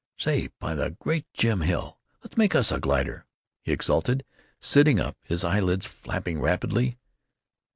"Say! by the great Jim Hill, let's make us a glider!" he exulted, sitting up, his eyelids flipping rapidly.